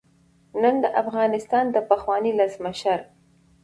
نن د افغانستان د پخواني ولسمشر